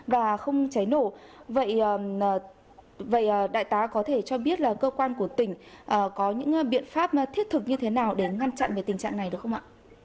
và không cháy nổ vậy đại tá có thể cho biết là cơ quan của tỉnh có những biện pháp thiết thực như thế nào để ngăn chặn về tình trạng này được không ạ